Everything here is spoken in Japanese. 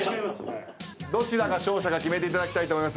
どちらが勝者か決めていただきたいと思います。